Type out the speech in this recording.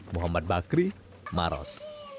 muhammad bakri maros